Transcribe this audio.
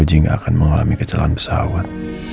fauzi tidak akan mengalami kecelakaan pesawat